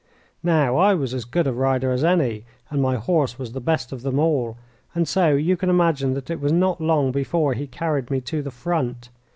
Now, I was as good a rider as any, and my horse was the best of them all, and so you can imagine that it was not long before he carried me to the front.